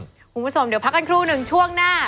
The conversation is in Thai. คุณผู้ชมเดี๋ยวพักกันครู่หนึ่งช่วงหน้า